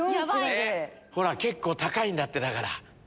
結構高いんだってだから。